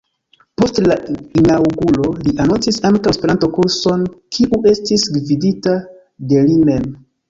Post la inaŭguro li anoncis ankaŭ Esperanto-kurson, kiu estis gvidita de li mem.